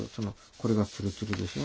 これがツルツルでしょ。